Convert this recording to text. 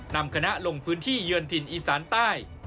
นำคณะลงพื้นที่เยือนถิ่นอีสานใต้